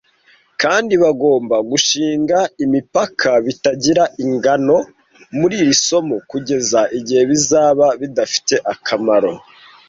Kandi bagomba gushinga imipaka bitagira ingano muri iri somo kugeza igihe bizaba bidafite akamaro ,